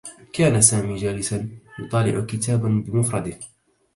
كان سامي جالسا، يطالع كتابا بمفرده.